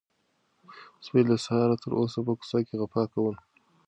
سپي له سهاره تر اوسه په کوڅه کې غپا کوله.